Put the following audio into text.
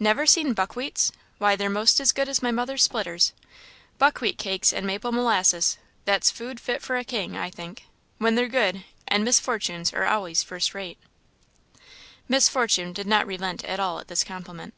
"Never seen buckwheats! why, they're most as good as my mother's splitters. Buckwheat cakes and maple molasses that's food fit for a king, I think when they're good; and Miss Fortune's are always first rate." Miss Fortune did not relent at all at this compliment.